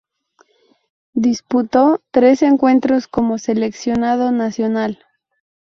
Disputó tres encuentros como seleccionado nacional.